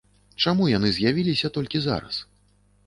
Чаму яны з'явіліся толькі зараз?